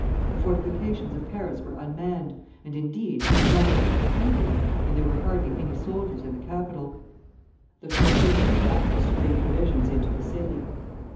The fortifications of Paris were unmanned, and, indeed, were not even completed, and there were hardly any soldiers in the capital. The first thing to be done was to bring provisions into the city.